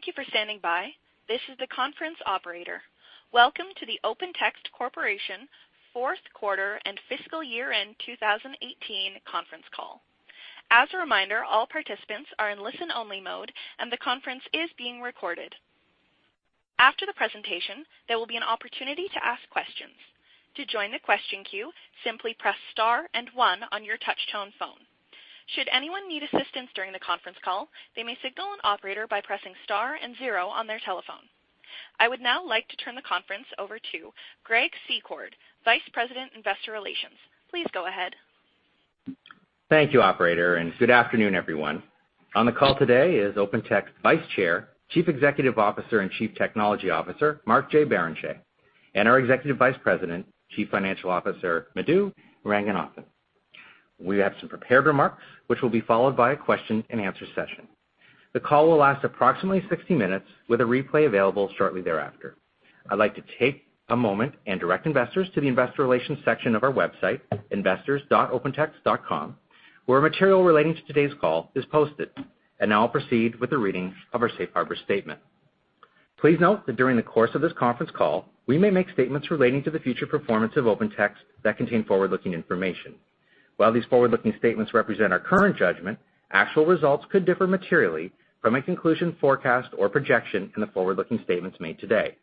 Thank you for standing by. This is the conference operator. Welcome to the Open Text Corporation fourth quarter and fiscal year-end 2018 conference call. As a reminder, all participants are in listen-only mode, and the conference is being recorded. After the presentation, there will be an opportunity to ask questions. To join the question queue, simply press star and one on your touchtone phone. Should anyone need assistance during the conference call, they may signal an operator by pressing star and zero on their telephone. I would now like to turn the conference over to Greg Secord, Vice President, Investor Relations. Please go ahead. Thank you, operator. Good afternoon, everyone. On the call today is Open Text Vice Chair, Chief Executive Officer and Chief Technology Officer, Mark J. Barrenechea, and our Executive Vice President, Chief Financial Officer, Madhu Ranganathan. We have some prepared remarks, which will be followed by a question and answer session. The call will last approximately 60 minutes, with a replay available shortly thereafter. I'd like to take a moment and direct investors to the investor relations section of our website, investors.opentext.com, where material relating to today's call is posted. Now I'll proceed with the reading of our safe harbor statement. Please note that during the course of this conference call, we may make statements relating to the future performance of Open Text that contain forward-looking information. While these forward-looking statements represent our current judgment, actual results could differ materially from a conclusion, forecast, or projection in the forward-looking statements made today.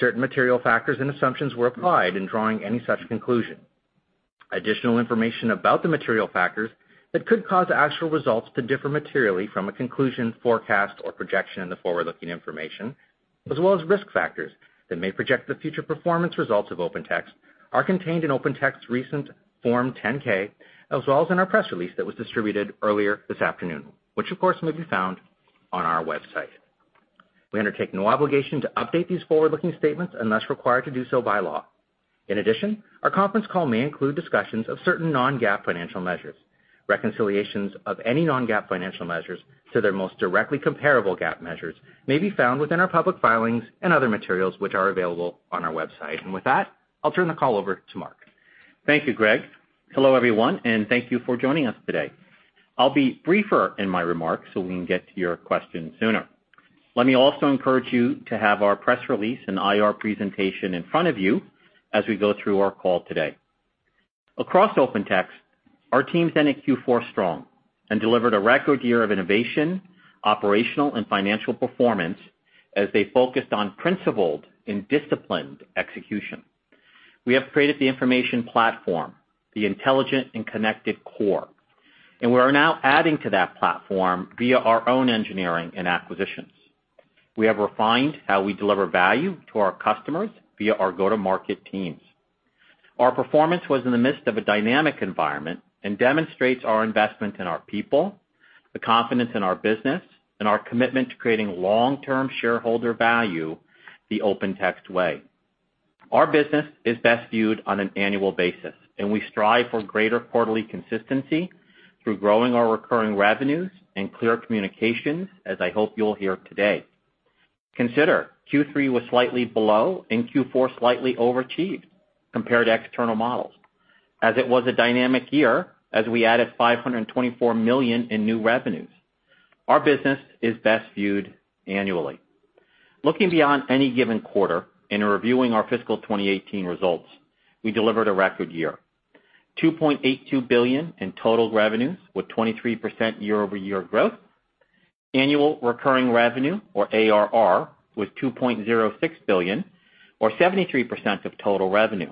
Certain material factors and assumptions were applied in drawing any such conclusion. Additional information about the material factors that could cause actual results to differ materially from a conclusion, forecast, or projection in the forward-looking information, as well as risk factors that may project the future performance results of Open Text are contained in Open Text's recent Form 10-K, as well as in our press release that was distributed earlier this afternoon, which, of course, may be found on our website. We undertake no obligation to update these forward-looking statements unless required to do so by law. In addition, our conference call may include discussions of certain non-GAAP financial measures. Reconciliations of any non-GAAP financial measures to their most directly comparable GAAP measures may be found within our public filings and other materials, which are available on our website. With that, I'll turn the call over to Mark. Thank you, Greg. Hello, everyone, and thank you for joining us today. I will be briefer in my remarks so we can get to your questions sooner. Let me also encourage you to have our press release and IR presentation in front of you as we go through our call today. Across Open Text, our teams ended Q4 strong and delivered a record year of innovation, operational, and financial performance as they focused on principled and disciplined execution. We have created the information platform, the intelligent and connected core, and we are now adding to that platform via our own engineering and acquisitions. We have refined how we deliver value to our customers via our go-to-market teams. Our performance was in the midst of a dynamic environment and demonstrates our investment in our people, the confidence in our business, and our commitment to creating long-term shareholder value the Open Text way. Our business is best viewed on an annual basis, and we strive for greater quarterly consistency through growing our recurring revenues and clear communications, as I hope you will hear today. Consider Q3 was slightly below and Q4 slightly over achieved compared to external models. It was a dynamic year, as we added $524 million in new revenues. Our business is best viewed annually. Looking beyond any given quarter and reviewing our fiscal 2018 results, we delivered a record year, $2.82 billion in total revenues with 23% year-over-year growth. Annual recurring revenue, or ARR, was $2.06 billion or 73% of total revenue.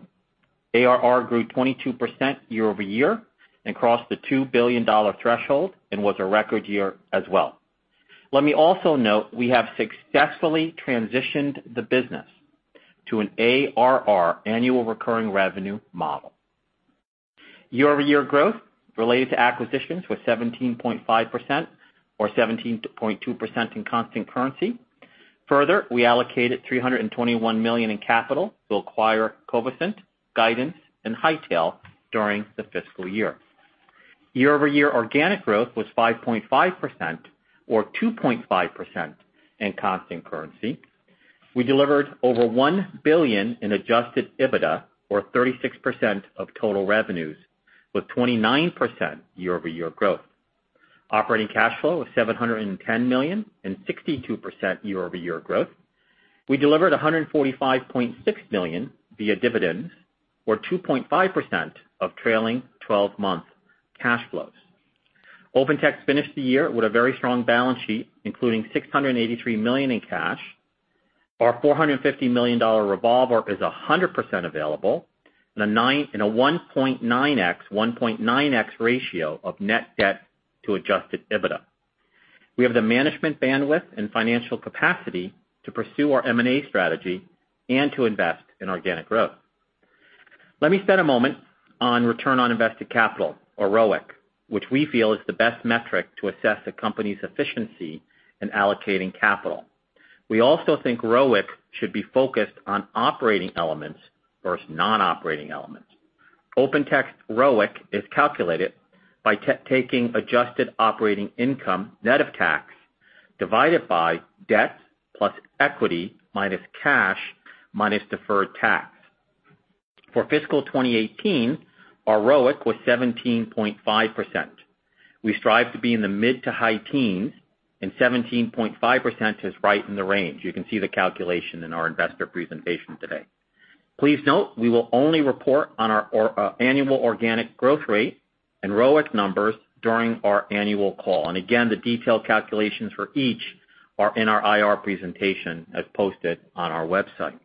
ARR grew 22% year-over-year and crossed the $2 billion threshold and was a record year as well. Let me also note we have successfully transitioned the business to an ARR, annual recurring revenue model. Year-over-year growth related to acquisitions was 17.5% or 17.2% in constant currency. We allocated $321 million in capital to acquire Covisint, Guidance, and Hightail during the fiscal year. Year-over-year organic growth was 5.5% or 2.5% in constant currency. We delivered over $1 billion in adjusted EBITDA, or 36% of total revenues, with 29% year-over-year growth. Operating cash flow was $710 million and 62% year-over-year growth. We delivered $145.6 million via dividends or 2.5% of trailing 12-month cash flows. Open Text finished the year with a very strong balance sheet, including $683 million in cash. Our $450 million revolver is 100% available and a 1.9x ratio of net debt to adjusted EBITDA. We have the management bandwidth and financial capacity to pursue our M&A strategy and to invest in organic growth. Let me spend a moment on return on invested capital or ROIC, which we feel is the best metric to assess a company's efficiency in allocating capital. We also think ROIC should be focused on operating elements versus non-operating elements. Open Text ROIC is calculated by taking adjusted operating income net of tax divided by debt plus equity minus cash, minus deferred tax. For fiscal 2018, our ROIC was 17.5%. We strive to be in the mid to high teens, and 17.5% is right in the range. You can see the calculation in our investor presentation today. Please note, we will only report on our annual organic growth rate and ROIC numbers during our annual call. Again, the detailed calculations for each are in our IR presentation as posted on our website.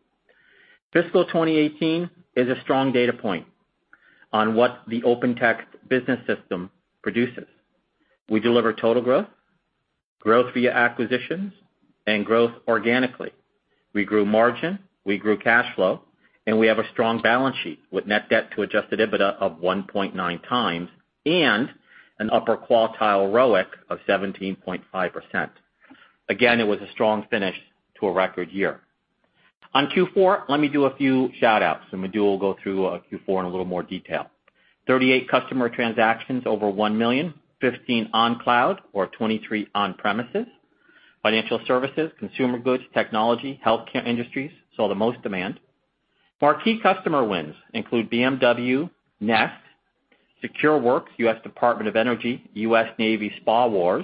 Fiscal 2018 is a strong data point on what the Open Text business system produces. We deliver total growth via acquisitions, and growth organically. We grew margin, we grew cash flow, and we have a strong balance sheet with net debt to adjusted EBITDA of 1.9x and an upper quartile ROIC of 17.5%. Again, it was a strong finish to a record year. On Q4, let me do a few shout-outs, and Madhu will go through Q4 in a little more detail. 38 customer transactions over $1 million, 15 on-cloud or 23 on-premises. Financial services, consumer goods, technology, healthcare industries saw the most demand. Our key customer wins include BMW, Nestlé, Secureworks, U.S. Department of Energy, US Navy SPAWAR,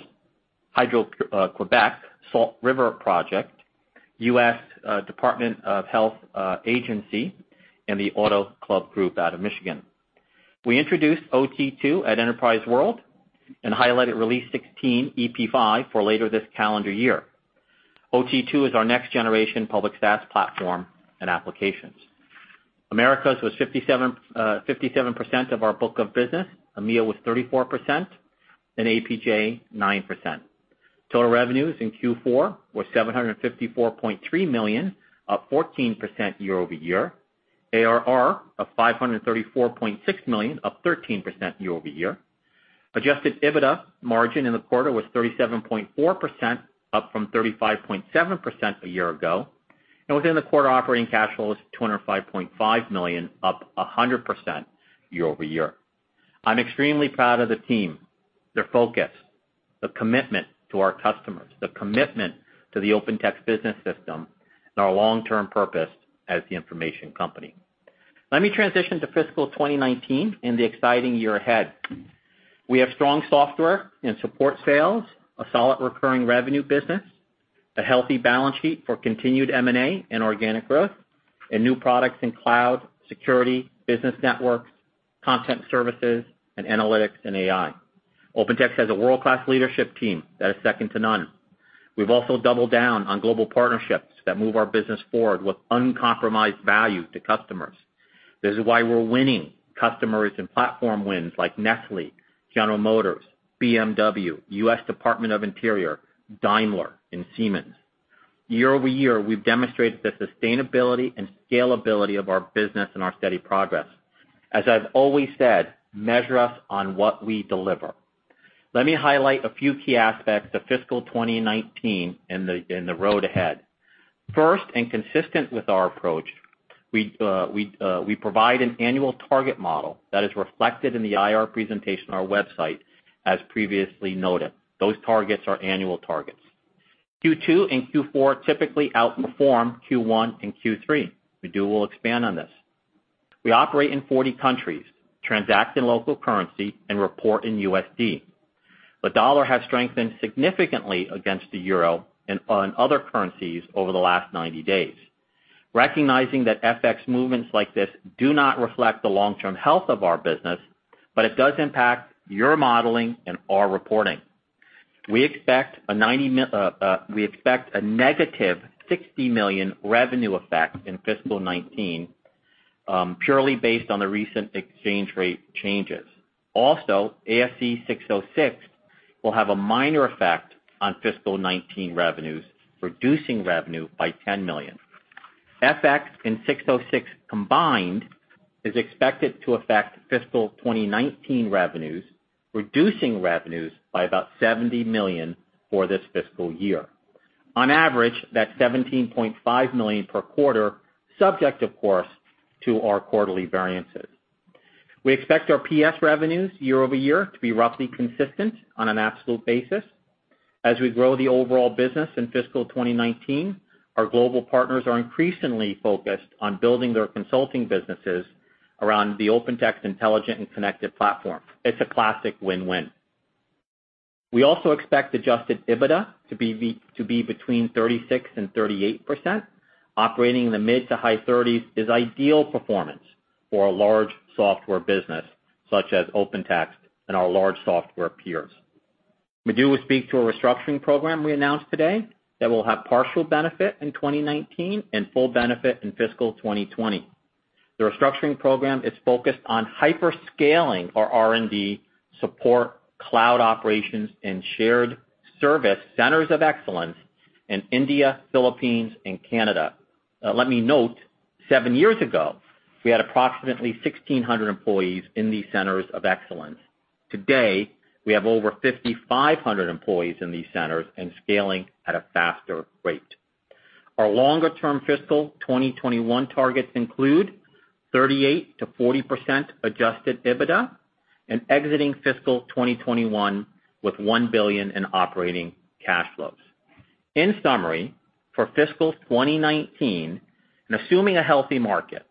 Hydro-Québec, Salt River Project, US Department of Health Agency, and The Auto Club Group out of Michigan. We introduced OT2 at Enterprise World and highlighted Release 16 EP5 for later this calendar year. OT2 is our next generation public SaaS platform and applications. Americas was 57% of our book of business, EMEA was 34%, and APJ 9%. Total revenues in Q4 were $754.3 million, up 14% year-over-year. ARR of $534.6 million, up 13% year-over-year. Adjusted EBITDA margin in the quarter was 37.4%, up from 35.7% a year ago. Within the quarter, operating cash flow was $205.5 million, up 100% year-over-year. I am extremely proud of the team, their focus, the commitment to our customers, the commitment to the OpenText business system, and our long-term purpose as the information company. Let me transition to fiscal 2019 and the exciting year ahead. We have strong software and support sales, a solid recurring revenue business, a healthy balance sheet for continued M&A and organic growth, and new products in cloud, security, business networks, content services, and analytics and AI. OpenText has a world-class leadership team that is second to none. We have also doubled down on global partnerships that move our business forward with uncompromised value to customers. This is why we are winning customers and platform wins like Nestlé, General Motors, BMW, U.S. Department of the Interior, Daimler, and Siemens. Year-over-year, we have demonstrated the sustainability and scalability of our business and our steady progress. As I have always said, measure us on what we deliver. Let me highlight a few key aspects of fiscal 2019 and the road ahead. First, and consistent with our approach, we provide an annual target model that is reflected in the IR presentation on our website, as previously noted. Those targets are annual targets. Q2 and Q4 typically outperform Q1 and Q3. Madhu will expand on this. We operate in 40 countries, transact in local currency, and report in USD. The dollar has strengthened significantly against the euro and other currencies over the last 90 days. Recognizing that FX movements like this do not reflect the long-term health of our business, but it does impact your modeling and our reporting. We expect a negative $60 million revenue effect in fiscal 2019, purely based on the recent exchange rate changes. Also, ASC 606 will have a minor effect on fiscal 2019 revenues, reducing revenue by $10 million. FX and 606 combined is expected to affect fiscal 2019 revenues, reducing revenues by about $70 million for this fiscal year. On average, that's $17.5 million per quarter, subject, of course, to our quarterly variances. We expect our PS revenues year-over-year to be roughly consistent on an absolute basis. As we grow the overall business in fiscal 2019, our global partners are increasingly focused on building their consulting businesses around the OpenText intelligent and connected platform. It's a classic win-win. We also expect adjusted EBITDA to be between 36% and 38%. Operating in the mid to high 30s is ideal performance for a large software business such as OpenText and our large software peers. Madhu will speak to a restructuring program we announced today that will have partial benefit in 2019 and full benefit in fiscal 2020. The restructuring program is focused on hyper-scaling our R&D support, cloud operations, and shared service centers of excellence in India, Philippines, and Canada. Let me note, seven years ago, we had approximately 1,600 employees in these centers of excellence. Today, we have over 5,500 employees in these centers and scaling at a faster rate. Our longer term fiscal 2021 targets include 38%-40% adjusted EBITDA and exiting fiscal 2021 with $1 billion in operating cash flows. In summary, for fiscal 2019, assuming a healthy market,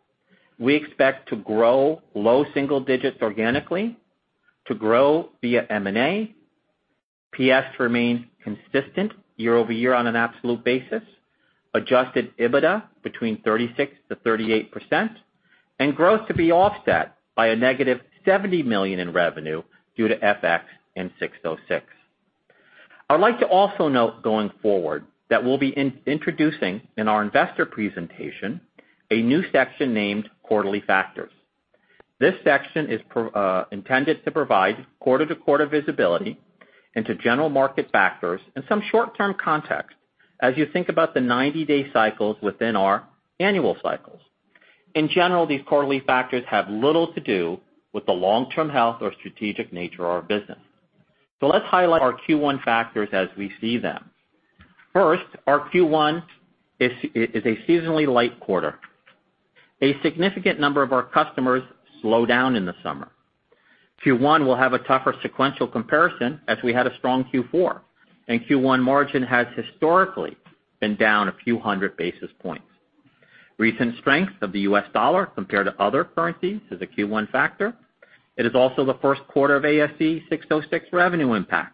we expect to grow low single digits organically, to grow via M&A, PS remain consistent year-over-year on an absolute basis, adjusted EBITDA between 36% to 38%, and growth to be offset by a negative $70 million in revenue due to FX and 606. I'd like to also note going forward that we'll be introducing in our investor presentation a new section named Quarterly Factors. This section is intended to provide quarter-to-quarter visibility into general market factors and some short-term context as you think about the 90-day cycles within our annual cycles. In general, these Quarterly Factors have little to do with the long-term health or strategic nature of our business. Let's highlight our Q1 factors as we see them. First, our Q1 is a seasonally light quarter. A significant number of our customers slow down in the summer. Q1 will have a tougher sequential comparison as we had a strong Q4. Q1 margin has historically been down a few hundred basis points. Recent strength of the U.S. dollar compared to other currencies is a Q1 factor. It is also the first quarter of ASC 606 revenue impact.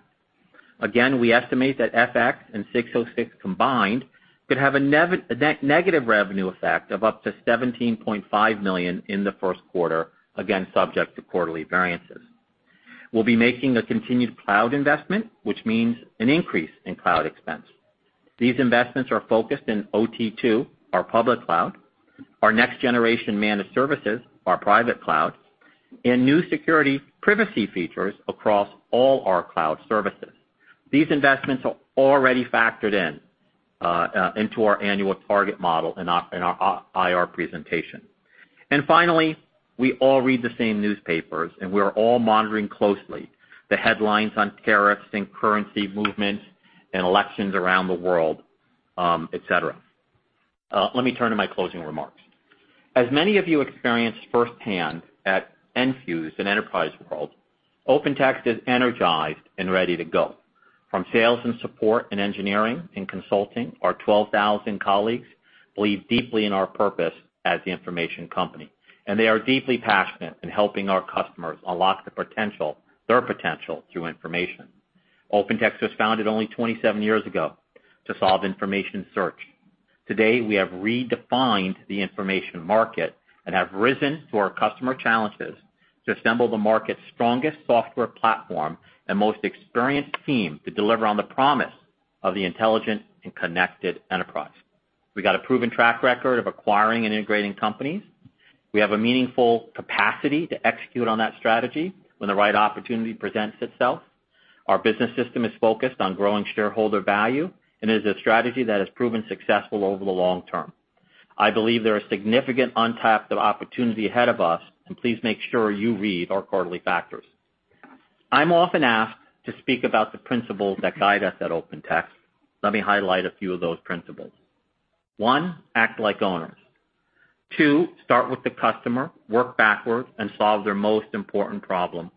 Again, we estimate that FX and 606 combined could have a negative revenue effect of up to $17.5 million in the first quarter, again, subject to quarterly variances. We'll be making a continued cloud investment, which means an increase in cloud expense. These investments are focused in OT2, our public cloud, our next generation managed services, our private cloud, and new security privacy features across all our cloud services. These investments are already factored in, into our annual target model in our IR presentation. Finally, we all read the same newspapers, we are all monitoring closely the headlines on tariffs and currency movements and elections around the world, et cetera. Let me turn to my closing remarks. As many of you experienced firsthand at Enfuse and Enterprise World, OpenText is energized and ready to go. From sales and support and engineering and consulting, our 12,000 colleagues believe deeply in our purpose as the information company, and they are deeply passionate in helping our customers unlock their potential through information. OpenText was founded only 27 years ago to solve information search. Today, we have redefined the information market and have risen to our customer challenges to assemble the market's strongest software platform and most experienced team to deliver on the promise of the intelligent and connected enterprise. We got a proven track record of acquiring and integrating companies. We have a meaningful capacity to execute on that strategy when the right opportunity presents itself. Our business system is focused on growing shareholder value and is a strategy that has proven successful over the long term. I believe there are significant untapped opportunities ahead of us, and please make sure you read our Quarterly Factors. I am often asked to speak about the principles that guide us at OpenText. Let me highlight a few of those principles. One, act like owners. Two, start with the customer, work backward and solve their most important problem.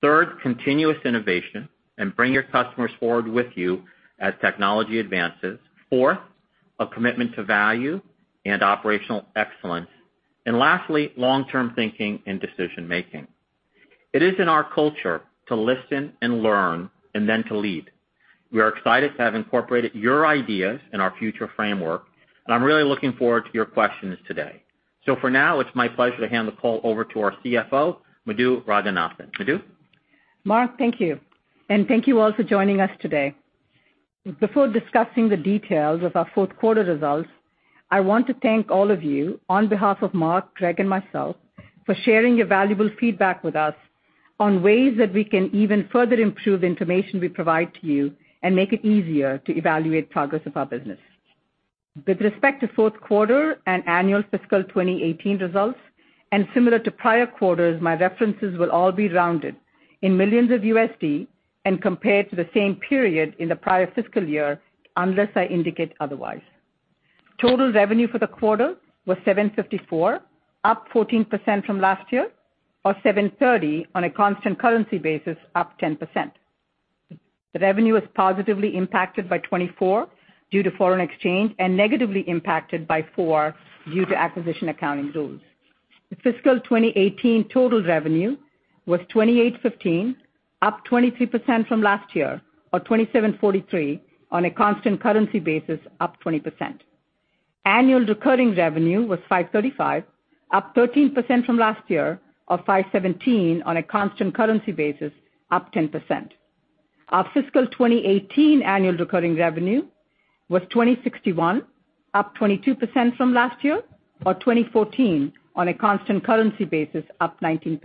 Third, continuous innovation and bring your customers forward with you as technology advances. Four, a commitment to value and operational excellence. Lastly, long-term thinking and decision making. It is in our culture to listen and learn and then to lead. We are excited to have incorporated your ideas in our future framework, and I am really looking forward to your questions today. For now, it is my pleasure to hand the call over to our CFO, Madhu Ranganathan. Madhu? Mark, thank you. Thank you all for joining us today. Before discussing the details of our fourth quarter results, I want to thank all of you on behalf of Mark, Greg, and myself for sharing your valuable feedback with us on ways that we can even further improve the information we provide to you and make it easier to evaluate progress of our business. With respect to fourth quarter and annual fiscal 2018 results, and similar to prior quarters, my references will all be rounded in millions of USD and compared to the same period in the prior fiscal year unless I indicate otherwise. Total revenue for the quarter was $754, up 14% from last year, or $730 on a constant currency basis, up 10%. The revenue was positively impacted by $24 due to foreign exchange and negatively impacted by $4 due to acquisition accounting rules. The fiscal 2018 total revenue was $2,815, up 23% from last year, or $2,743 on a constant currency basis, up 20%. Annual recurring revenue was $535, up 13% from last year, or $517 on a constant currency basis, up 10%. Our fiscal 2018 annual recurring revenue was $2,061, up 22% from last year, or $2,014 on a constant currency basis, up 19%.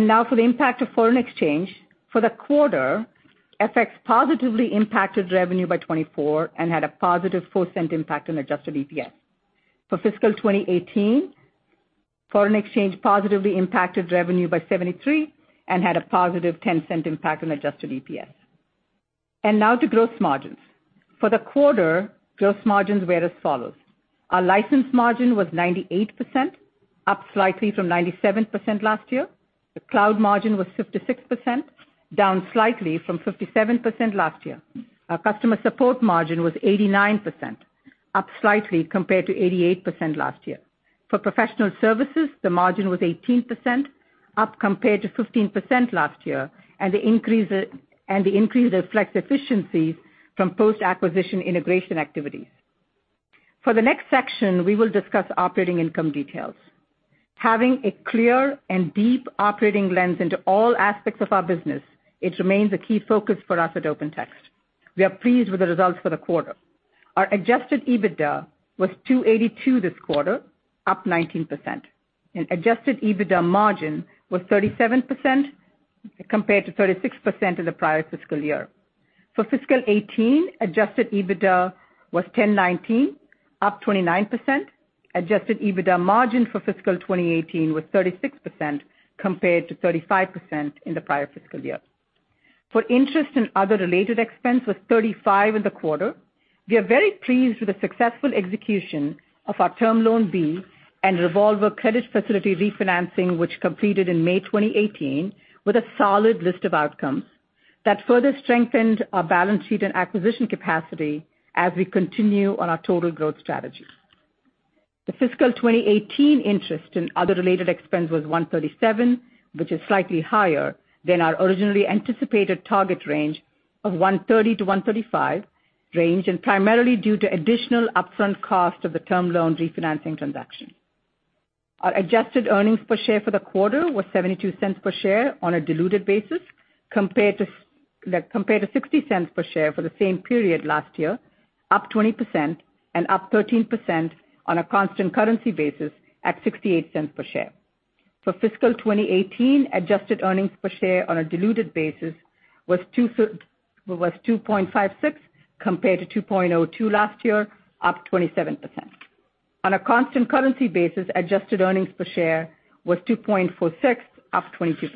Now for the impact of foreign exchange. For the quarter, FX positively impacted revenue by $24 and had a positive $0.04 impact on adjusted EPS. For fiscal 2018, foreign exchange positively impacted revenue by $73 and had a positive $0.10 impact on adjusted EPS. Now to gross margin. For the quarter, gross margins were as follows: our license margin was 98%, up slightly from 97% last year. The cloud margin was 56%, down slightly from 57% last year. Our customer support margin was 89%, up slightly compared to 88% last year. For professional services, the margin was 18%, up compared to 15% last year, and the increase reflects efficiencies from post-acquisition integration activities. For the next section, we will discuss operating income details. Having a clear and deep operating lens into all aspects of our business, it remains a key focus for us at Open Text. We are pleased with the results for the quarter. Our adjusted EBITDA was $282 this quarter, up 19%, and adjusted EBITDA margin was 37% compared to 36% in the prior fiscal year. For fiscal 2018, adjusted EBITDA was $1,019, up 29%. Adjusted EBITDA margin for fiscal 2018 was 36% compared to 35% in the prior fiscal year. Interest and other related expense was $35 in the quarter. We are very pleased with the successful execution of our Term Loan B and revolver credit facility refinancing which completed in May 2018 with a solid list of outcomes that further strengthened our balance sheet and acquisition capacity as we continue on our total growth strategy. The fiscal 2018 interest and other related expense was $137, which is slightly higher than our originally anticipated target range of $130-$135 range. Primarily due to additional upfront cost of the Term Loan B refinancing transaction, our adjusted earnings per share for the quarter was $0.72 per share on a diluted basis compared to $0.60 per share for the same period last year, up 20% and up 13% on a constant currency basis at $0.68 per share. For fiscal 2018, adjusted earnings per share on a diluted basis was $2.56 compared to $2.02 last year, up 27%. On a constant currency basis, adjusted earnings per share was $2.46, up 22%.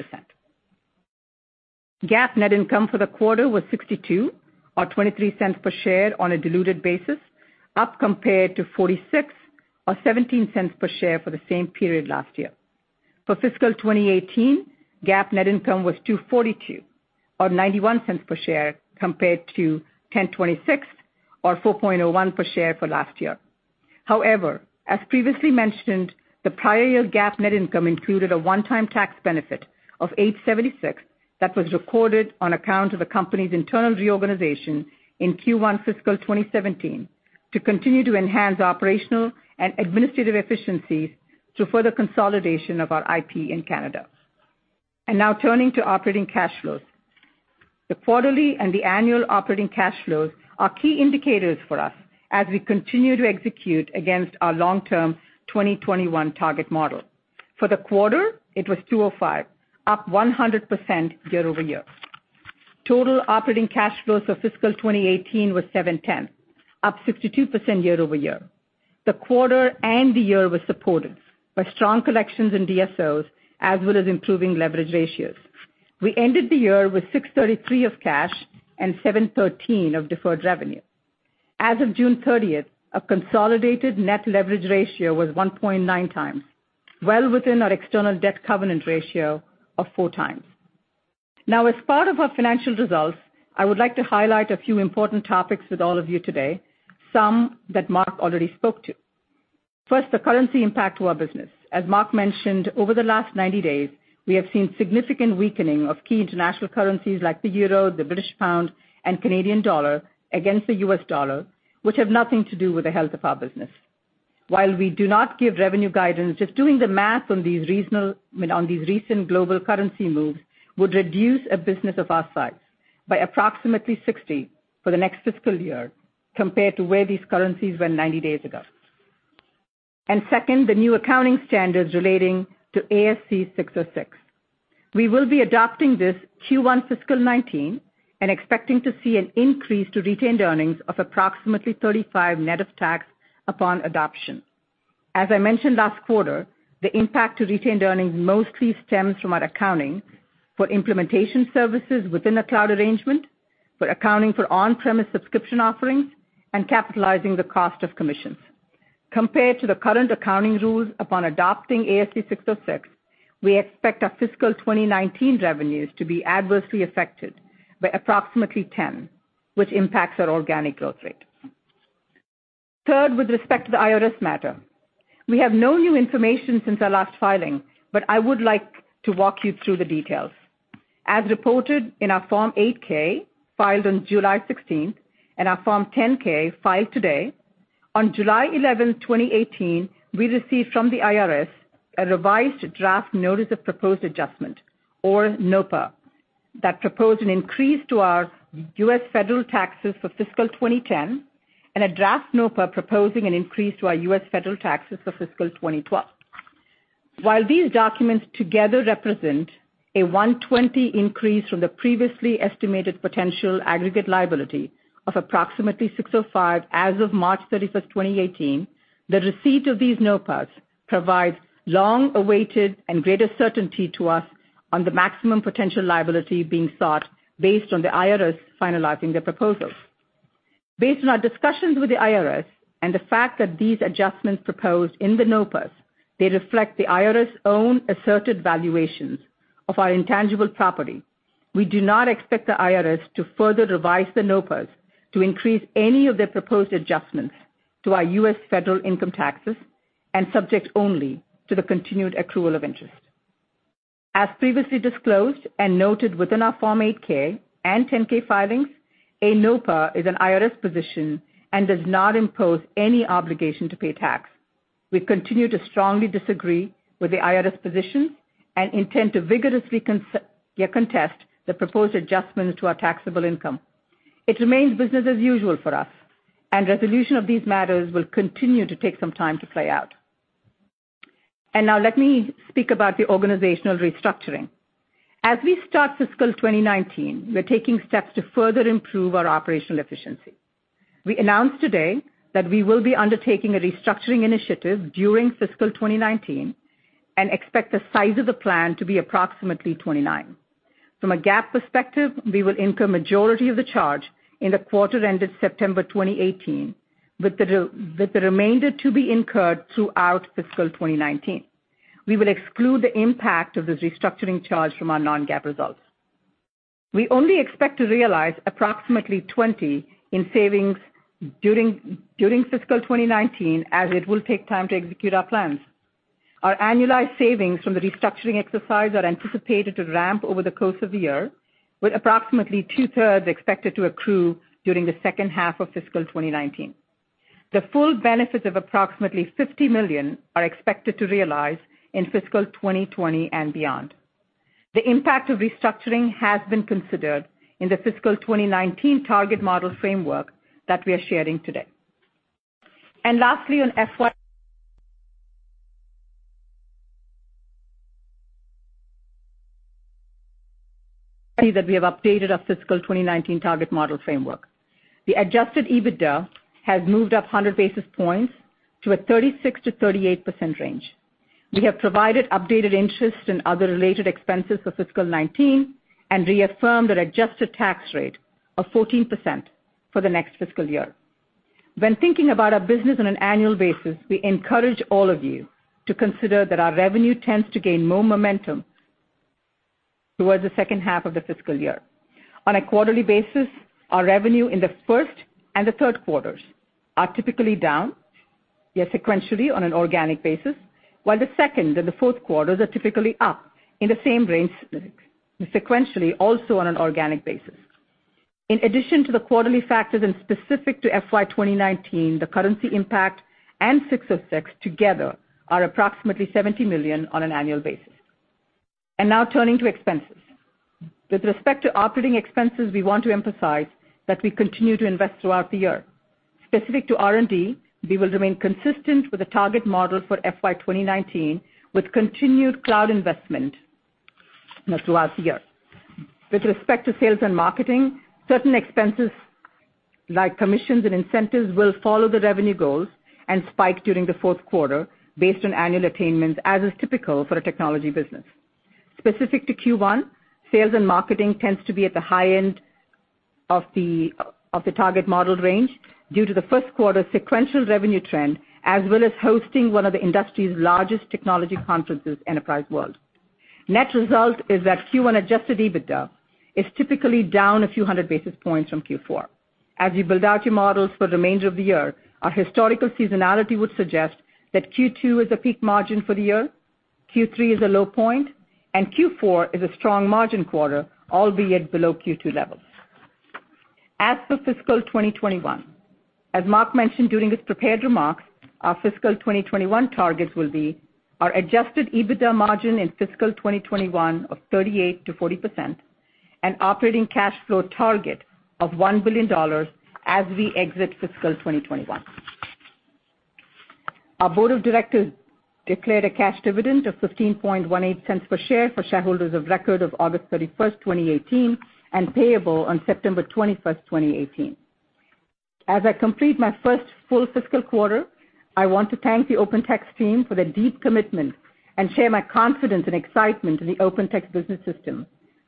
GAAP net income for the quarter was $62 or $0.23 per share on a diluted basis, up compared to $46 or $0.17 per share for the same period last year. For fiscal 2018, GAAP net income was $242 or $0.91 per share compared to $1,026 or $4.01 per share for last year. However, as previously mentioned, the prior year GAAP net income included a one-time tax benefit of $876 that was recorded on account of the company's internal reorganization in Q1 fiscal 2017 to continue to enhance operational and administrative efficiencies through further consolidation of our IP in Canada. Now turning to operating cash flows. The quarterly and the annual operating cash flows are key indicators for us as we continue to execute against our long-term 2021 target model. For the quarter, it was $205, up 100% year-over-year. Total operating cash flows for fiscal 2018 was $710, up 62% year-over-year. The quarter and the year were supported by strong collections in DSOs as well as improving leverage ratios. We ended the year with $683 million of cash and $713 of deferred revenue. As of June 30th, a consolidated net leverage ratio was 1.9 times, well within our external debt covenant ratio of four times. As part of our financial results, I would like to highlight a few important topics with all of you today, some that Mark already spoke to. First, the currency impact to our business. As Mark mentioned, over the last 90 days, we have seen significant weakening of key international currencies like the euro, the British pound, and Canadian dollar against the US dollar, which have nothing to do with the health of our business. While we do not give revenue guidance, just doing the math on these recent global currency moves would reduce a business of our size by approximately $60 for the next fiscal year compared to where these currencies were 90 days ago. Second, the new accounting standards relating to ASC 606. We will be adopting this Q1 fiscal 2019 and expecting to see an increase to retained earnings of approximately $35 net of tax upon adoption. As I mentioned last quarter, the impact to retained earnings mostly stems from our accounting for implementation services within a cloud arrangement, for accounting for on-premise subscription offerings, and capitalizing the cost of commissions. Compared to the current accounting rules upon adopting ASC 606, we expect our fiscal 2019 revenues to be adversely affected by approximately $10, which impacts our organic growth rate. Third, with respect to the IRS matter. We have no new information since our last filing, but I would like to walk you through the details. As reported in our Form 8-K filed on July 16th and our Form 10-K filed today, on July 11, 2018, we received from the IRS a revised draft notice of proposed adjustment or NOPA that proposed an increase to our U.S. federal taxes for fiscal 2010 and a draft NOPA proposing an increase to our U.S. federal taxes for fiscal 2012. While these documents together represent a $120 increase from the previously estimated potential aggregate liability of approximately $605 as of March 31st, 2018, the receipt of these NOPAs provides long-awaited and greater certainty to us on the maximum potential liability being sought based on the IRS finalizing their proposals. Based on our discussions with the IRS and the fact that these adjustments proposed in the NOPAs, they reflect the IRS' own asserted valuations of our intangible property. We do not expect the IRS to further revise the NOPAs to increase any of their proposed adjustments to our U.S. federal income taxes and subject only to the continued accrual of interest. As previously disclosed and noted within our Form 8-K and 10-K filings, a NOPA is an IRS position and does not impose any obligation to pay tax. We continue to strongly disagree with the IRS position and intend to vigorously contest the proposed adjustments to our taxable income. Now let me speak about the organizational restructuring. As we start fiscal 2019, we're taking steps to further improve our operational efficiency. We announced today that we will be undertaking a restructuring initiative during fiscal 2019 and expect the size of the plan to be approximately $29. From a GAAP perspective, we will incur majority of the charge in the quarter ended September 2018, with the remainder to be incurred throughout fiscal 2019. We will exclude the impact of this restructuring charge from our non-GAAP results. We only expect to realize approximately $20 in savings during fiscal 2019, as it will take time to execute our plans. Our annualized savings from the restructuring exercise are anticipated to ramp over the course of the year, with approximately two-thirds expected to accrue during the second half of fiscal 2019. The full benefits of approximately $50 million are expected to realize in fiscal 2020 and beyond. The impact of restructuring has been considered in the fiscal 2019 target model framework that we are sharing today. Lastly, on FY [2019 target model, and let me add to Mark's comments. In our investor presentation,] see that we have updated our fiscal 2019 target model framework. The adjusted EBITDA has moved up 100 basis points to a 36%-38% range. We have provided updated interest and other related expenses for fiscal 2019 and reaffirmed an adjusted tax rate of 14% for the next fiscal year. When thinking about our business on an annual basis, we encourage all of you to consider that our revenue tends to gain more momentum towards the second half of the fiscal year. On a quarterly basis, our revenue in the first and the third quarters are typically down sequentially on an organic basis, while the second and the fourth quarters are typically up in the same range sequentially, also on an organic basis. In addition to the Quarterly Factors and specific to FY 2019, the currency impact and 606 together are approximately $70 million on an annual basis. Now turning to expenses. With respect to operating expenses, we want to emphasize that we continue to invest throughout the year. Specific to R&D, we will remain consistent with the target model for FY 2019 with continued cloud investment throughout the year. With respect to sales and marketing, certain expenses like commissions and incentives will follow the revenue goals and spike during the fourth quarter based on annual attainments, as is typical for a technology business. Specific to Q1, sales and marketing tends to be at the high end of the target model range due to the first quarter sequential revenue trend, as well as hosting one of the industry's largest technology conferences, Enterprise World. Net result is that Q1 adjusted EBITDA is typically down a few hundred basis points from Q4. As you build out your models for the remainder of the year, our historical seasonality would suggest that Q2 is a peak margin for the year, Q3 is a low point, and Q4 is a strong margin quarter, albeit below Q2 levels. As for fiscal 2021, as Mark mentioned during his prepared remarks, our fiscal 2021 targets will be our adjusted EBITDA margin in fiscal 2021 of 38%-40% and operating cash flow target of $1 billion as we exit fiscal 2021. Our board of directors declared a cash dividend of $0.1518 per share for shareholders of record of August 31st, 2018, and payable on September 21st, 2018. As I complete my first full fiscal quarter, I want to thank the Open Text team for their deep commitment and share my confidence and excitement in the Open Text business system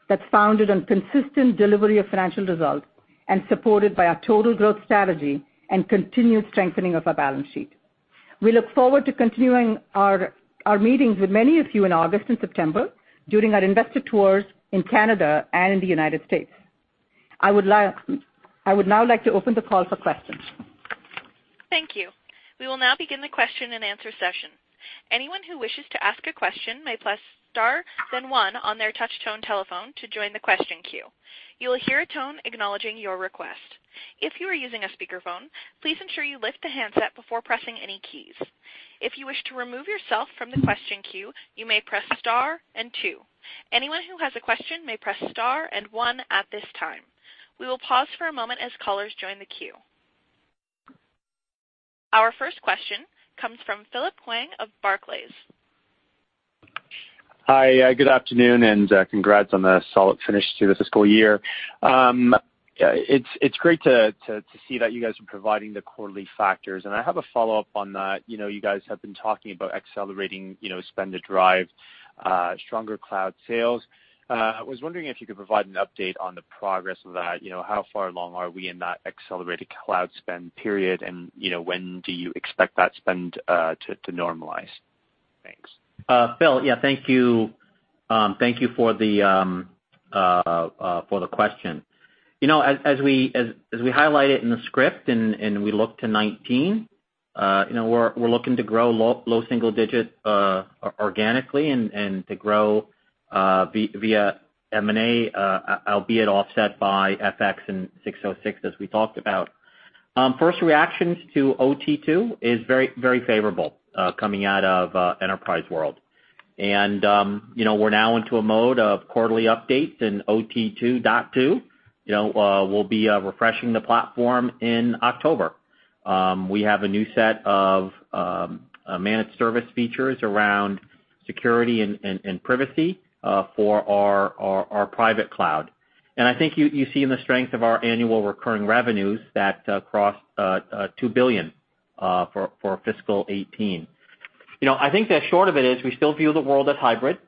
that's founded on consistent delivery of financial results and supported by our total growth strategy and continued strengthening of our balance sheet. We look forward to continuing our meetings with many of you in August and September during our investor tours in Canada and in the United States. I would now like to open the call for questions. Thank you. We will now begin the question and answer session. Anyone who wishes to ask a question may press star then one on their touchtone telephone to join the question queue. You will hear a tone acknowledging your request. If you are using a speakerphone, please ensure you lift the handset before pressing any keys. If you wish to remove yourself from the question queue, you may press star and two. Anyone who has a question may press star and one at this time. We will pause for a moment as callers join the queue. Our first question comes from Philip Huang of Barclays. Hi, good afternoon, and congrats on the solid finish to the fiscal year. Yeah, it's great to see that you guys are providing the Quarterly Factors. I have a follow-up on that. You guys have been talking about accelerating spend to drive stronger cloud sales. I was wondering if you could provide an update on the progress of that. How far along are we in that accelerated cloud spend period, and when do you expect that spend to normalize? Thanks. Phil, thank you for the question. As we highlight it in the script and we look to 2019, we're looking to grow low single-digit organically and to grow via M&A, albeit offset by FX and ASC 606, as we talked about. First reactions to OT2 is very favorable coming out of Enterprise World. We're now into a mode of quarterly updates and OT 2.2. We'll be refreshing the platform in October. We have a new set of managed service features around security and privacy for our private cloud. I think you see in the strength of our annual recurring revenues that crossed $2 billion for fiscal 2018. I think the short of it is we still view the world as hybrid.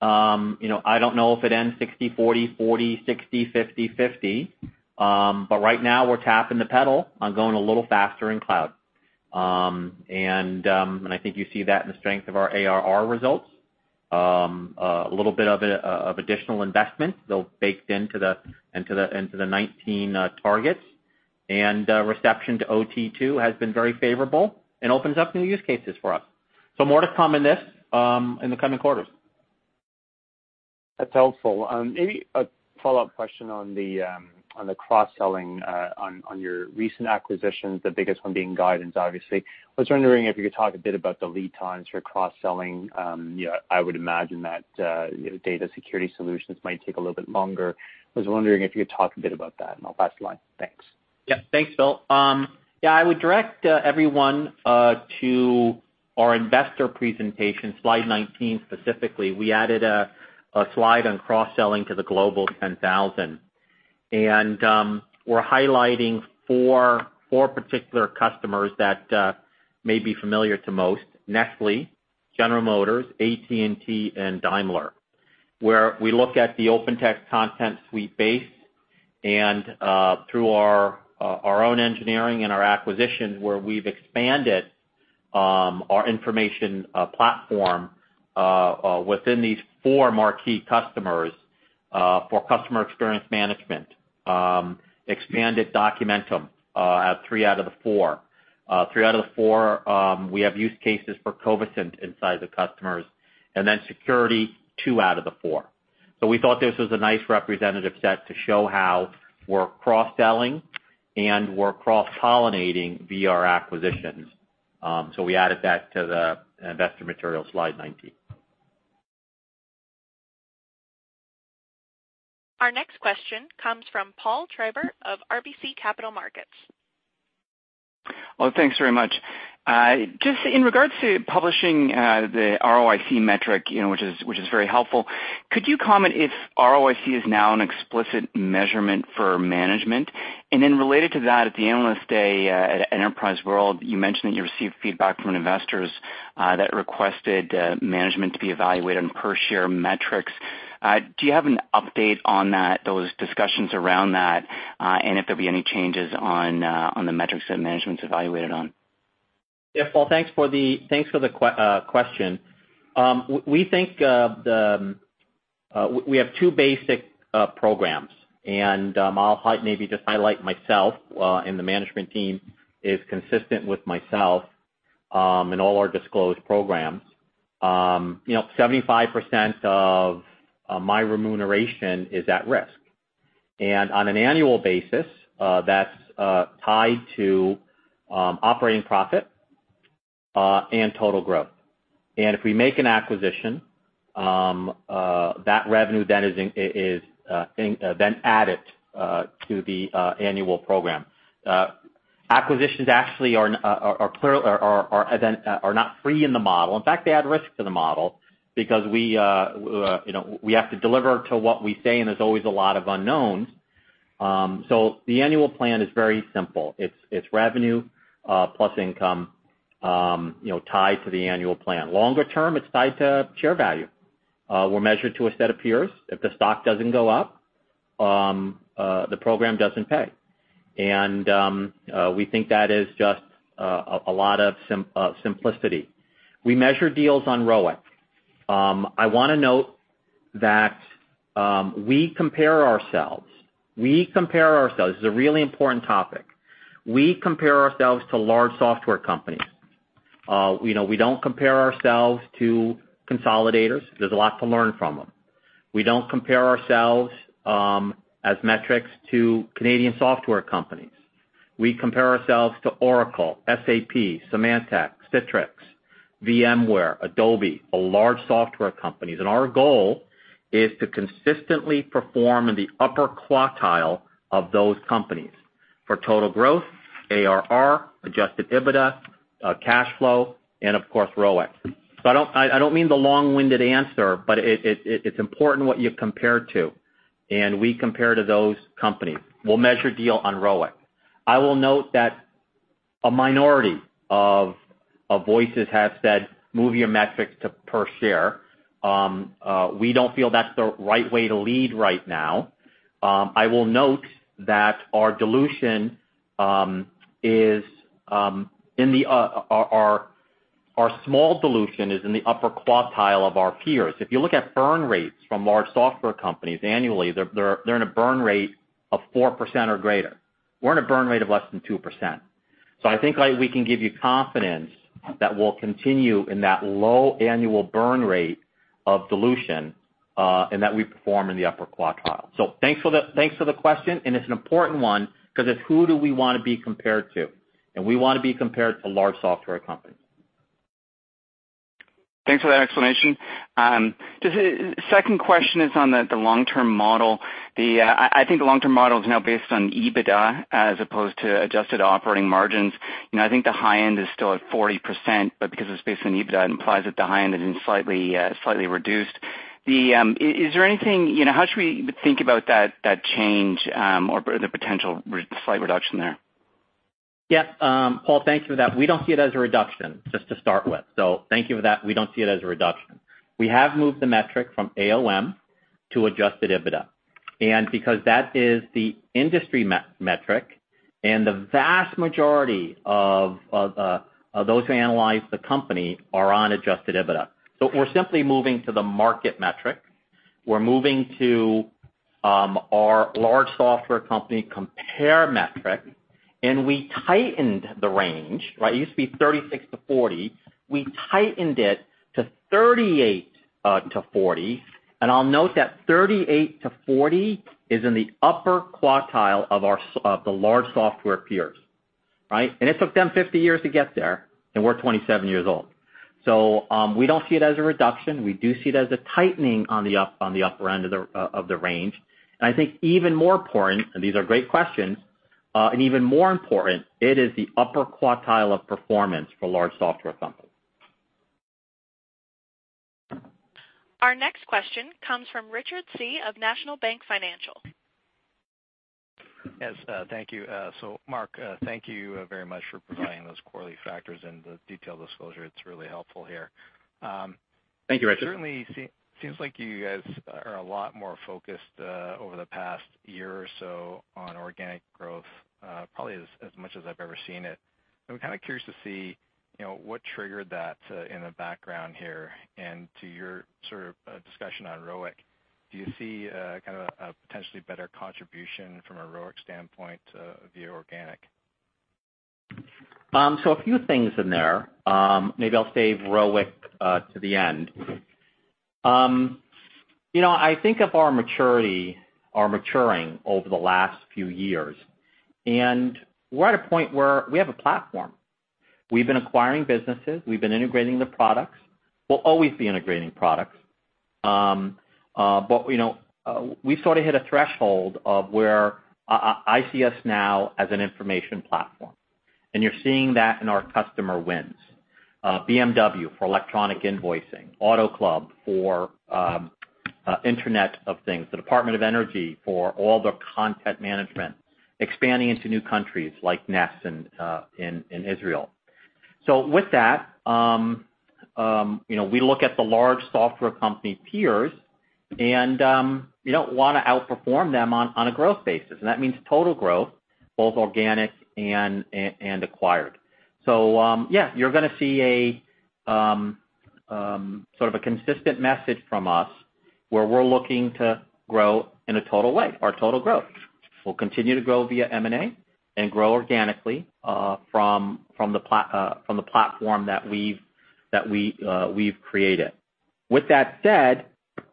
I don't know if it ends 60/40/60, 50/50. Right now we're tapping the pedal on going a little faster in cloud. I think you see that in the strength of our ARR results. A little bit of additional investment, though, baked into the 2019 targets. Reception to OT2 has been very favorable and opens up new use cases for us. More to come on this in the coming quarters. That's helpful. Maybe a follow-up question on the cross-selling on your recent acquisitions, the biggest one being Guidance, obviously. I was wondering if you could talk a bit about the lead times for cross-selling. I would imagine that data security solutions might take a little bit longer. I was wondering if you could talk a bit about that. I'll pass the line. Thanks. Thanks, Phil. I would direct everyone to our investor presentation, slide 19 specifically. We added a slide on cross-selling to the Global 10,000. We're highlighting four particular customers that may be familiar to most: Nestlé, General Motors, AT&T, and Daimler, where we look at the OpenText Content Suite base and through our own engineering and our acquisitions, where we've expanded our information platform within these four marquee customers for customer experience management. Expanded Documentum at three out of the four. Three out of the four we have use cases for Covisint inside the customers. Security, two out of the four. We thought this was a nice representative set to show how we're cross-selling and we're cross-pollinating via our acquisitions. We added that to the investor material, slide 19. Our next question comes from Paul Treiber of RBC Capital Markets. Thanks very much. In regards to publishing the ROIC metric, which is very helpful, could you comment if ROIC is now an explicit measurement for management? Related to that, at the Analyst Day at Enterprise World, you mentioned that you received feedback from investors that requested management to be evaluated on per share metrics. Do you have an update on those discussions around that, and if there'll be any changes on the metrics that management's evaluated on? Yeah, Paul, thanks for the question. We have two basic programs, I'll maybe just highlight myself and the management team is consistent with myself in all our disclosed programs. 75% of my remuneration is at risk. On an annual basis that's tied to operating profit and total growth. If we make an acquisition, that revenue then is added to the annual program. Acquisitions actually are not free in the model. In fact, they add risk to the model because we have to deliver to what we say, and there's always a lot of unknowns. The annual plan is very simple. It's revenue plus income tied to the annual plan. Longer term, it's tied to share value. We're measured to a set of peers. If the stock doesn't go up, the program doesn't pay. We think that is just a lot of simplicity. We measure deals on ROIC. I want to note that we compare ourselves. This is a really important topic. We compare ourselves to large software companies. We don't compare ourselves to consolidators. There's a lot to learn from them. We don't compare ourselves as metrics to Canadian software companies. We compare ourselves to Oracle, SAP, Symantec, Citrix, VMware, Adobe, the large software companies. Our goal is to consistently perform in the upper quartile of those companies. For total growth, ARR, adjusted EBITDA, cash flow, and of course, ROIC. I don't mean the long-winded answer, but it's important what you compare to, and we compare to those companies. We'll measure deal on ROIC. I will note that a minority of voices have said, "Move your metrics to per share." We don't feel that's the right way to lead right now. I will note that our small dilution is in the upper quartile of our peers. If you look at burn rates from large software companies annually, they're in a burn rate of 4% or greater. We're in a burn rate of less than 2%. I think we can give you confidence that we'll continue in that low annual burn rate of dilution and that we perform in the upper quartile. Thanks for the question, and it's an important one because it's who do we want to be compared to, and we want to be compared to large software companies. Thanks for that explanation. Just a second question is on the long-term model. I think the long-term model is now based on EBITDA as opposed to adjusted operating margins. I think the high end is still at 40%, but because it's based on EBITDA, it implies that the high end has been slightly reduced. How should we think about that change, or the potential slight reduction there? Yeah. Paul, thank you for that. We don't see it as a reduction, just to start with. Thank you for that. We don't see it as a reduction. We have moved the metric from ALM to adjusted EBITDA. Because that is the industry metric, the vast majority of those who analyze the company are on adjusted EBITDA. We're simply moving to the market metric. We're moving to our large software company compare metric. We tightened the range, right? It used to be 36 to 40. We tightened it to 38 to 40. I'll note that 38 to 40 is in the upper quartile of the large software peers, right? It took them 50 years to get there. We're 27 years old. We don't see it as a reduction. We do see it as a tightening on the upper end of the range. These are great questions. Even more important, it is the upper quartile of performance for large software companies. Our next question comes from Richard Tse of National Bank Financial. Yes, thank you. Mark, thank you very much for providing those Quarterly Factors and the detailed disclosure. It's really helpful here. Thank you, Richard. Certainly, seems like you guys are a lot more focused, over the past year or so, on organic growth, probably as much as I've ever seen it. I'm kind of curious to see what triggered that in the background here, and to your sort of discussion on ROIC. Do you see kind of a potentially better contribution from a ROIC standpoint via organic? A few things in there. Maybe I'll save ROIC to the end. I think of our maturing over the last few years, and we're at a point where we have a platform. We've been acquiring businesses, we've been integrating the products. We'll always be integrating products. We sort of hit a threshold of where I see us now as an information platform, and you're seeing that in our customer wins. BMW for electronic invoicing, AutoClub for internet of things, the Department of Energy for all their content management, expanding into new countries like Ness in Israel. With that, we look at the large software company peers and we don't want to outperform them on a growth basis. That means total growth, both organic and acquired. yeah, you're going to see a sort of a consistent message from us, where we're looking to grow in a total way, our total growth. We'll continue to grow via M&A and grow organically from the platform that we've created. With that said,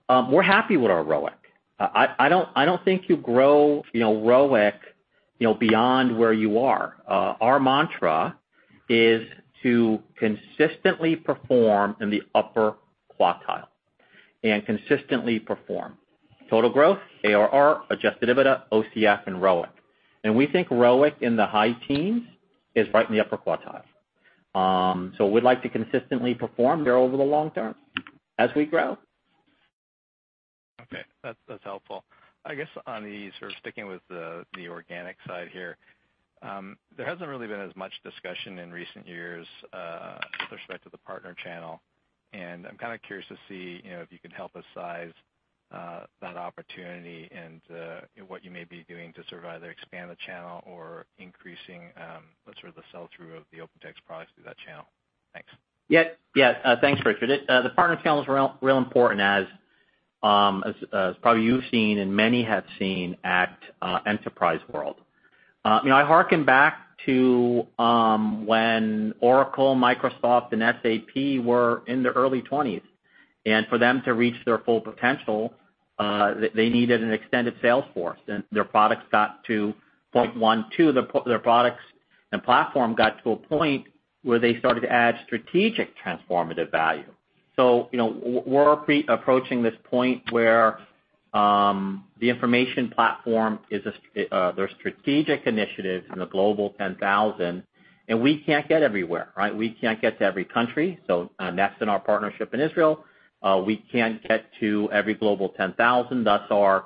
we're happy with our ROIC. I don't think you grow ROIC beyond where you are. Our mantra is to consistently perform in the upper quartile and consistently perform total growth, ARR, adjusted EBITDA, OCF, and ROIC. We think ROIC in the high teens is right in the upper quartile. We'd like to consistently perform there over the long term as we grow. Okay. That's helpful. I guess on the sort of sticking with the organic side here, there hasn't really been as much discussion in recent years with respect to the partner channel. I'm kind of curious to see if you could help us size that opportunity and what you may be doing to sort of either expand the channel or increasing the sort of the sell-through of the OpenText products through that channel. Thanks. Yeah. Thanks, Richard. The partner channel is real important as probably you've seen and many have seen at Enterprise World. I harken back to when Oracle, Microsoft, and SAP were in their early 20s. For them to reach their full potential, they needed an extended sales force, and their products got to, [inaudible] their products and platform got to a point where they started to add strategic transformative value. We're approaching this point where the information platform is their strategic initiative in the Global 10,000, we can't get everywhere, right? We can't get to every country, so that's in our partnership in Israel. We can't get to every Global 10,000. That's our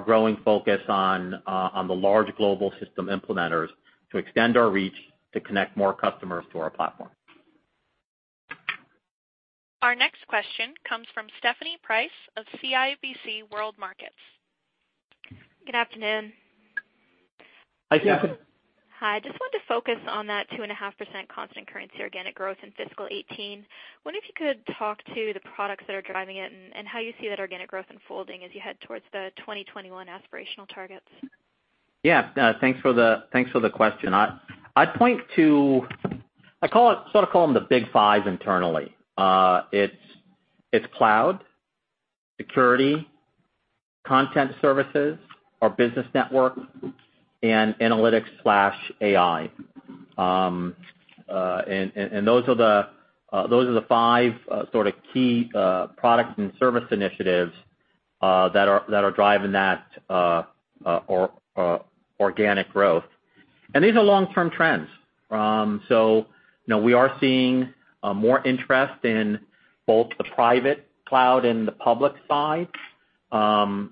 growing focus on the large global system implementers to extend our reach to connect more customers to our platform. Our next question comes from Stephanie Price of CIBC World Markets. Good afternoon. Hi, Stephanie. Hi. Wanted to focus on that 2.5% constant currency organic growth in fiscal 2018. Wonder if you could talk to the products that are driving it and how you see that organic growth unfolding as you head towards the 2021 aspirational targets. Yeah. Thanks for the question. I sort of call them the big five internally. It's cloud, security, content services, our business network, and analytics/AI. Those are the five sort of key products and service initiatives that are driving that organic growth. These are long-term trends. We are seeing more interest in both the private cloud and the public side.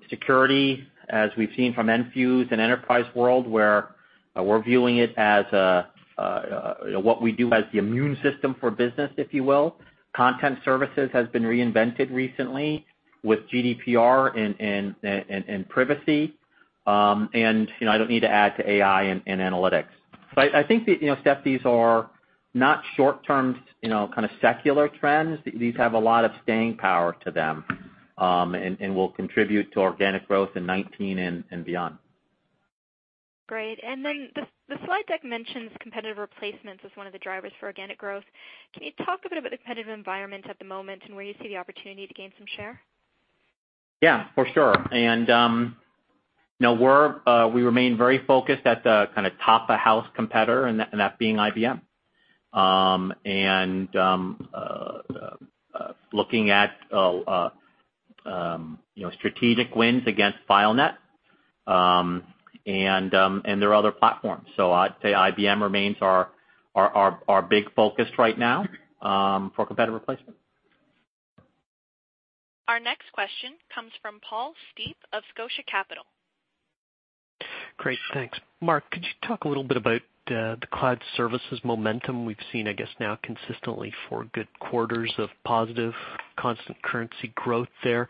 Security, as we've seen from Enfuse and Enterprise World, where we're viewing it as what we do as the immune system for business, if you will. Content services has been reinvented recently with GDPR and privacy. I don't need to add to AI and analytics. I think, Steph, these are not short-term kind of secular trends. These have a lot of staying power to them, and will contribute to organic growth in 2019 and beyond. Great. The slide deck mentions competitive replacements as one of the drivers for organic growth. Can you talk a bit about the competitive environment at the moment and where you see the opportunity to gain some share? Yeah, for sure. We remain very focused at the kind of top of house competitor, that being IBM, looking at strategic wins against FileNet and their other platforms. I'd say IBM remains our big focus right now for competitive replacement. Our next question comes from Paul Steep of Scotia Capital. Great, thanks. Mark, could you talk a little bit about the cloud services momentum we've seen, I guess now consistently four good quarters of positive constant currency growth there,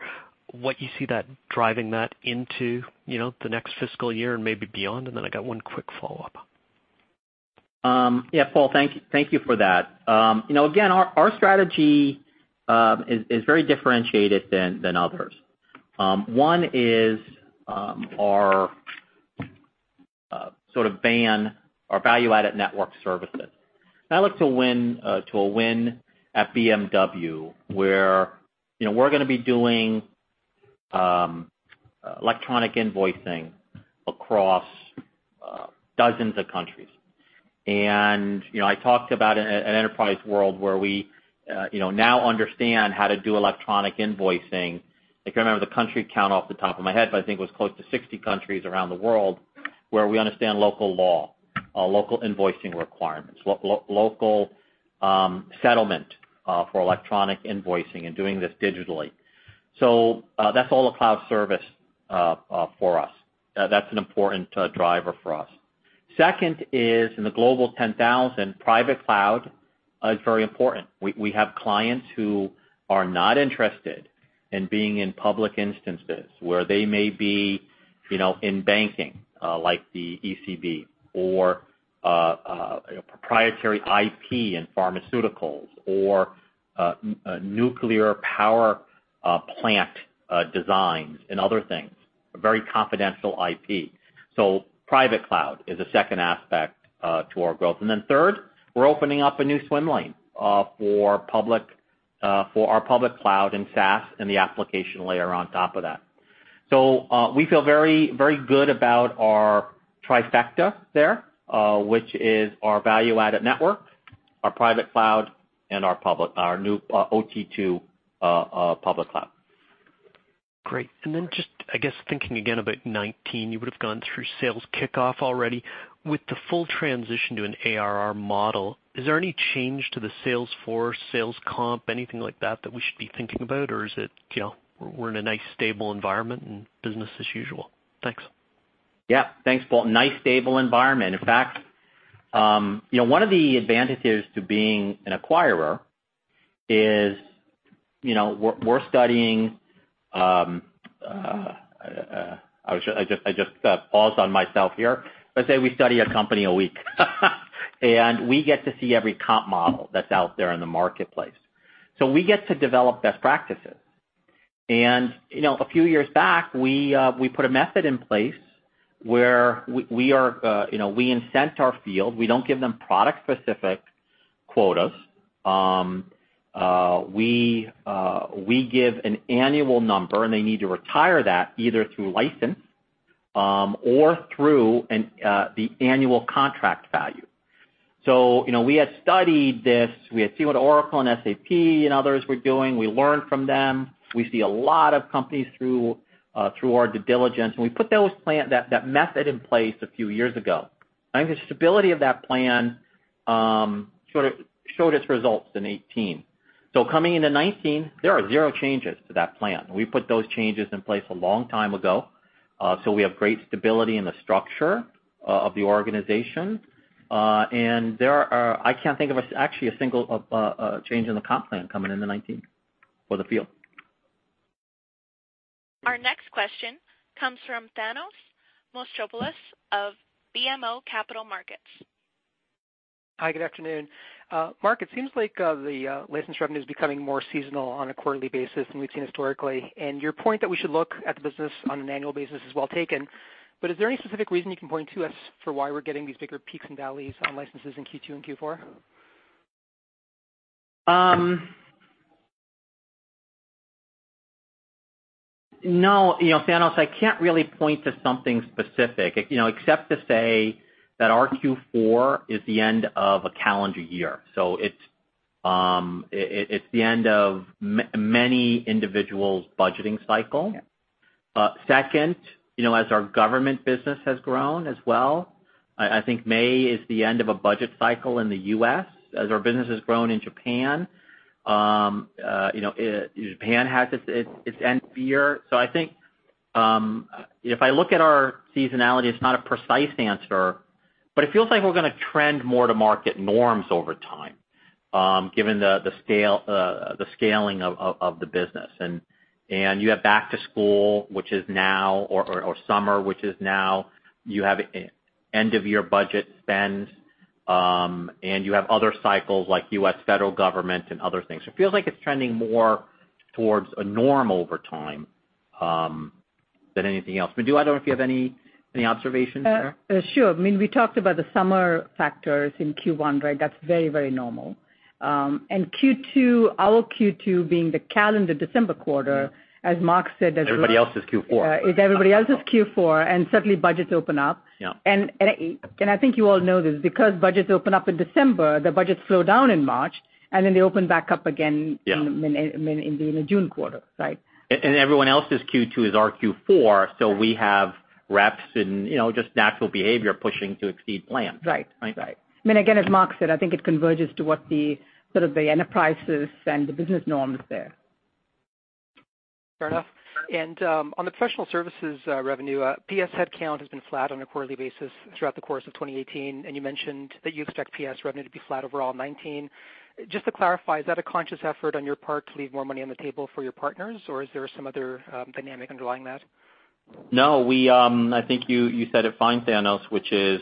what you see that driving that into the next fiscal year and maybe beyond, I got one quick follow-up. Paul, thank you for that. Again, our strategy is very differentiated than others. One is our sort of VAN, our value-added network services. I look to a win at BMW, where we're going to be doing electronic invoicing across dozens of countries. I talked about an Enterprise World where we now understand how to do electronic invoicing. I can't remember the country count off the top of my head, but I think it was close to 60 countries around the world where we understand local law, local invoicing requirements, local settlement for electronic invoicing and doing this digitally. That's all a cloud service for us. That's an important driver for us. Second is, in the Global 10,000, private cloud is very important. We have clients who are not interested in being in public instances where they may be in banking, like the ECB, or proprietary IP in pharmaceuticals, or nuclear power plant designs and other things, very confidential IP. Private cloud is a second aspect to our growth. Third, we're opening up a new swim lane for our public cloud and SaaS and the application layer on top of that. We feel very good about our trifecta there, which is our value-added network, our private cloud, and our new OT2 public cloud. Great. Just, I guess, thinking again about 2019, you would've gone through sales kickoff already. With the full transition to an ARR model, is there any change to the sales force, sales comp, anything like that we should be thinking about? Or is it we're in a nice stable environment and business as usual? Thanks. Yeah. Thanks, Paul. Nice stable environment. In fact, one of the advantages to being an acquirer is we're studying. Let's say we study a company a week and we get to see every comp model that's out there in the marketplace. We get to develop best practices. A few years back, we put a method in place where we incent our field. We don't give them product-specific quotas. We give an annual number, and they need to retire that either through or through the annual contract value. We had studied this. We had seen what Oracle and SAP and others were doing. We learned from them. We see a lot of companies through our due diligence, and we put that method in place a few years ago. I think the stability of that plan showed its results in 2018. Coming into 2019, there are zero changes to that plan. We put those changes in place a long time ago. We have great stability in the structure of the organization. I can't think of actually a single change in the comp plan coming into 2019 for the field. Our next question comes from Thanos Moschopoulos of BMO Capital Markets. Hi, good afternoon. Mark, it seems like the license revenue is becoming more seasonal on a quarterly basis than we've seen historically. Your point that we should look at the business on an annual basis is well taken. Is there any specific reason you can point to as for why we're getting these bigger peaks and valleys on licenses in Q2 and Q4? Thanos, I can't really point to something specific, except to say that our Q4 is the end of a calendar year. It's the end of many individuals' budgeting cycle. Yeah. Second, as our government business has grown as well, I think May is the end of a budget cycle in the U.S. As our business has grown in Japan has its end of year. I think, if I look at our seasonality, it's not a precise answer, but it feels like we're going to trend more to market norms over time, given the scaling of the business. You have back to school, which is now, or summer, which is now. You have end-of-year budget spends, and you have other cycles like U.S. federal government and other things. It feels like it's trending more towards a norm over time, than anything else. Madhu, I don't know if you have any observations there? Sure. We talked about the summer factors in Q1, right? That's very normal. Q2, our Q2 being the calendar December quarter, as Mark said. Everybody else's Q4. Is everybody else's Q4, suddenly budgets open up. Yeah. I think you all know this, because budgets open up in December, the budgets slow down in March, and then they open back up again. Yeah in the June quarter, right? Everyone else's Q2 is our Q4, we have reps and just natural behavior pushing to exceed plans. Right. Right? Right. Again, as Mark said, I think it converges to what the enterprises and the business norm is there. Fair enough. On the professional services revenue, PS headcount has been flat on a quarterly basis throughout the course of 2018, and you mentioned that you expect PS revenue to be flat overall in 2019. Just to clarify, is that a conscious effort on your part to leave more money on the table for your partners, or is there some other dynamic underlying that? No, I think you said it fine, Thanos, which is,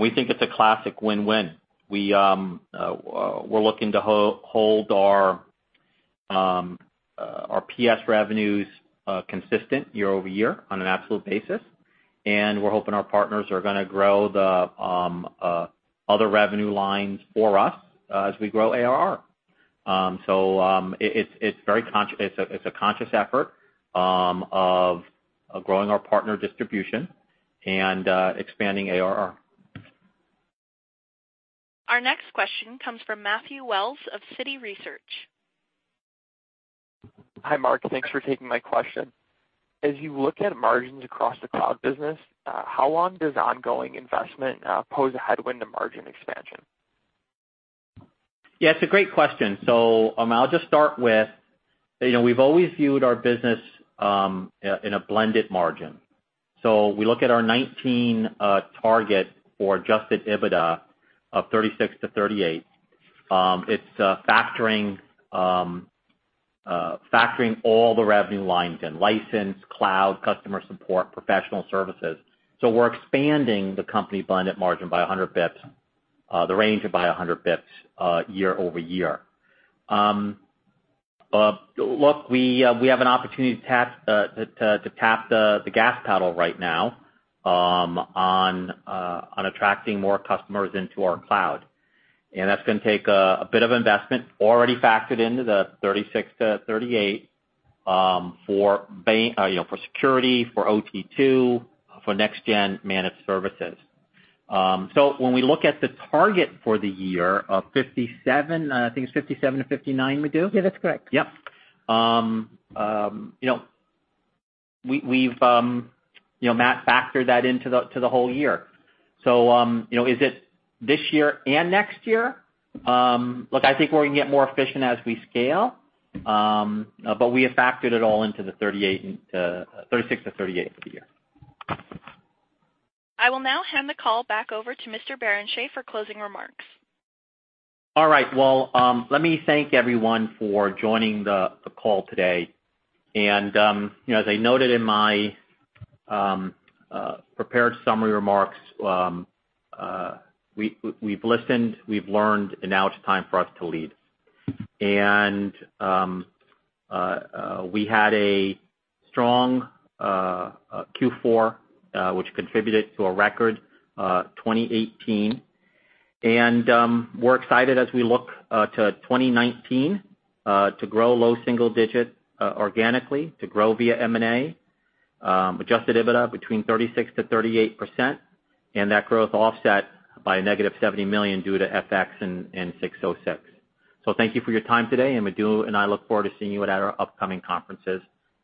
we think it's a classic win-win. We're looking to hold our PS revenues consistent year-over-year on an absolute basis, we're hoping our partners are gonna grow the other revenue lines for us as we grow ARR. It's a conscious effort of growing our partner distribution and expanding ARR. Our next question comes from Matthew Wells of Citi Research. Hi, Mark. Thanks for taking my question. As you look at margins across the cloud business, how long does ongoing investment pose a headwind to margin expansion? Yeah, it's a great question. I'll just start with, we've always viewed our business in a blended margin. We look at our 2019 target for adjusted EBITDA of 36%-38%. It's factoring all the revenue lines in license, cloud, customer support, professional services. We're expanding the company blended margin by 100 basis points, the range by 100 basis points year-over-year. Look, we have an opportunity to tap the gas pedal right now on attracting more customers into our cloud. That's going to take a bit of investment, already factored into the 36%-38%, for security, for OT2, for next-gen managed services. When we look at the target for the year of 57%, I think it's 57%-59%, Madhu? Yeah, that's correct. Yep. We've, Matthew, factored that into the whole year. Is it this year and next year? Look, I think we're going to get more efficient as we scale, but we have factored it all into the 36%-38% for the year. I will now hand the call back over to Mr. Barrenechea for closing remarks. All right. Well, let me thank everyone for joining the call today. As I noted in my prepared summary remarks, we've listened, we've learned, and now it's time for us to lead. We had a strong Q4, which contributed to a record 2018. We're excited as we look to 2019, to grow low single-digit organically, to grow via M&A, adjusted EBITDA between 36%-38%, and that growth offset by a negative $70 million due to FX and 606. Thank you for your time today, and Madhu and I look forward to seeing you at our upcoming conferences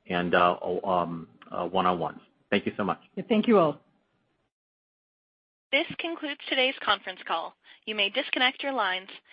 and one-on-ones. Thank you so much. Thank you all. This concludes today's conference call. You may disconnect your lines.